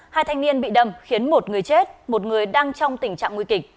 hai thanh niên bị đâm khiến một người chết một người đang trong tình trạng nguy kịch